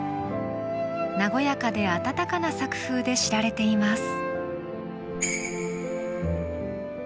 和やかで温かな作風で知られています。